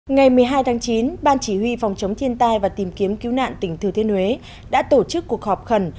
ngày một mươi hai tháng chín ban chỉ huy phòng chống thiên tai và tìm kiếm cứu nạn tỉnh thừa thiên huế đã tổ chức cuộc họp khẩn